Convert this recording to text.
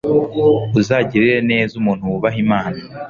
uzagirire neza umuntu wubaha imana